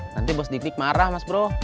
nanti bos didik marah mas bro